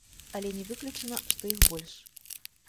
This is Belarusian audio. Але не выключана, што іх больш.